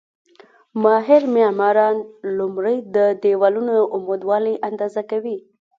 ماهر معماران لومړی د دېوالونو عمودوالی اندازه کوي.